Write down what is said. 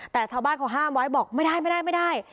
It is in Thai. แต่ชาวบ้านเขาห้ามไว้บอกไม่ได้ไม่ได้